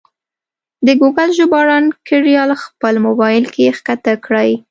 د ګوګل ژباړن کریال خپل مبایل کې کښته کړئ.